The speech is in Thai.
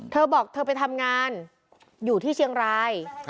เธอบอกเธอไปทำงานอยู่ที่เชียงราย